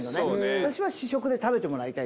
私は試食で食べてもらいたい。